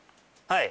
はい。